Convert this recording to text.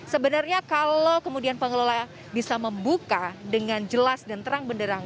sebenarnya kalau kemudian pengelola bisa membuka dengan jelas dan terang benderang